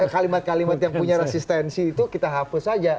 kalimat kalimat yang punya resistensi itu kita hapus saja